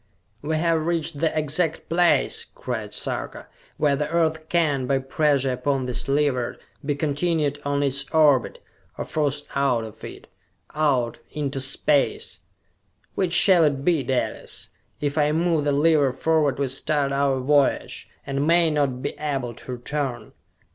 "We have reached the exact place," cried Sarka, "where the Earth can, by pressure upon this lever, be continued on in its orbit or forced out of it out into space! Which shall it be, Dalis? If I move the lever forward we start our voyage, and may not be able to return!"